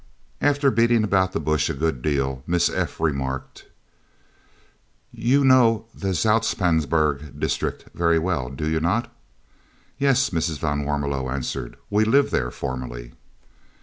After beating about the bush a good deal, Miss F. remarked: "You know the Zoutpansberg District very well, do you not?" "Yes," Mrs. van Warmelo answered; "we lived there formerly."